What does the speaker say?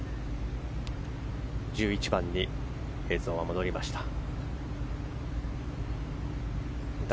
１１番に映像が戻りました。